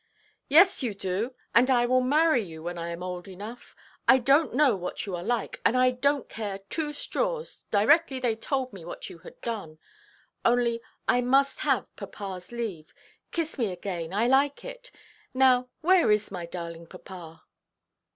"Yes, you do; and I will marry you when I am old enough. I donʼt know what you are like, and I donʼt care two straws, directly they told me what you had done. Only I must have papaʼs leave. Kiss me again, I like it. Now where is my darling papa?"